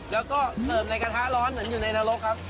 แล้วก็เสริมในกระทะร้อนเหมือนอยู่ในนรกครับ